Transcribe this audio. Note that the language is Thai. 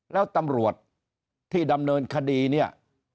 แล้วตำรวจที่ดำเนินคดีเนี่ย